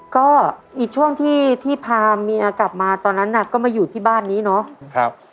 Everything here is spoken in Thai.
ก็อีกช่วงที่พาเมียกลับมาตอนนั้นน่ะก็มาอยู่ที่บ้านนี้เนาะ